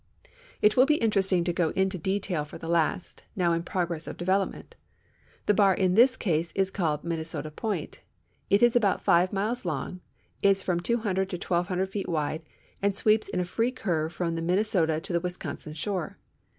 It will be interesting to go into detail for the last, now in progress of development. The bar in this case is called Min nesota point; it is about five miles long, is from 200 to 1,200 feet wide, and sweeps in a free curve from the Minnesota to the Wisconsin shore.